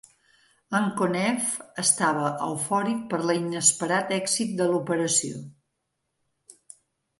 En Konev estava eufòric per l'inesperat èxit de l'operació.